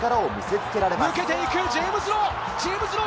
抜けていく、ジェームズ・ロー。